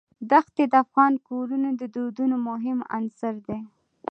دښتې د افغان کورنیو د دودونو مهم عنصر دی.